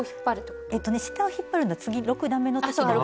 下を引っ張るのは次６段めの時。